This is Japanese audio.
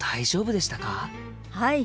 はい。